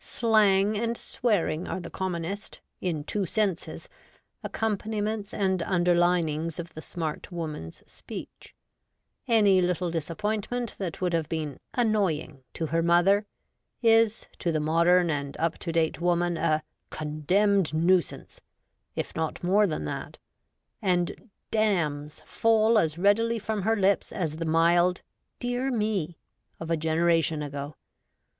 Slang and swearing are the commonest — in two senses — accompaniments and underlinings of the smart woman's speech : any little disappointment that would have been 'annoying' to her mother is to the modern and up to date woman a ' condemned nuisance,' if not more than that ; and 'damns' fall as readily from her lips as the mild ' dear me !' of a generation ago.